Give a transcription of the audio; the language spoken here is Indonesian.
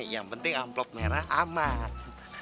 yang penting amplop merah aman